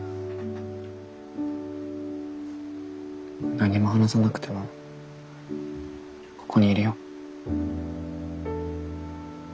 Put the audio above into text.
何も話さなくてもここにいるよ。